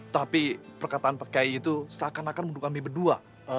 tapi perkataan pak kiai itu seakan akan mendukung kami berdua